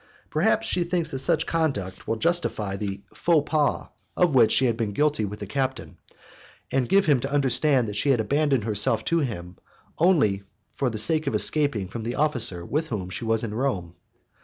Perhaps she thinks that such conduct will justify the 'faux pas' of which she has been guilty with the captain, and give him to understand that she had abandoned herself to him only for the sake of escaping from the officer with whom she was in Rome.